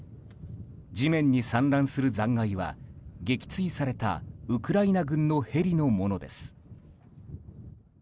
地面に散乱する残骸は撃墜されたウクライナ軍のヘリのものです。